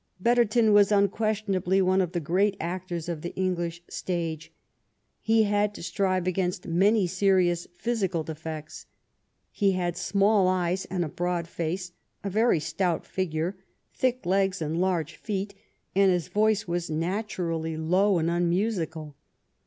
Betterton was unquestionably one of the great actors of the English stage. He had to strive against many serious physical defects. He had small eyes and a broad face, a very stout figure, thick legs and large feet, and his voice was naturally low and unmusical.